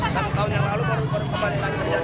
satu tahun yang lalu baru baru kembali